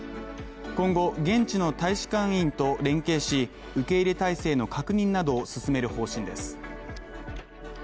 今後、現地の大使館員と連携し、受け入れ体制の確認などを進める方針です